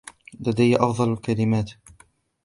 لدي أفضل الكلمات.